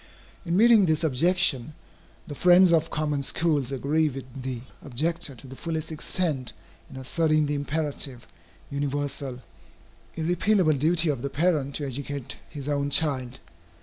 In meeting this objection, the friends of common schools agree with the objector to the fullest extent in asserting the imperative, universal, irrepealable duty of the parent to educate his own child.